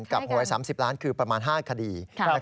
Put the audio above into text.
หวย๓๐ล้านคือประมาณ๕คดี